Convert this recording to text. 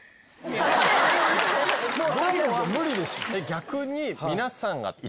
逆に。